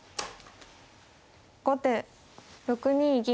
後手６二銀。